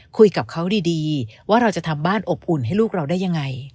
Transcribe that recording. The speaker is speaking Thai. คุยกับเขาดีว่าเราจะทำบ้านอบอุ่นให้ลูกเราได้ยังไง